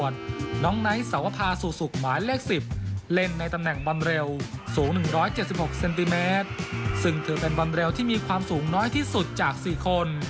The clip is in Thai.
ซึ่งถือเป็นวันเร็วที่มีความสูงน้อยที่สุดจาก๔คน